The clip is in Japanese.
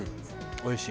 おいしい。